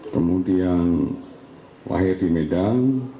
kemudian lahir di medan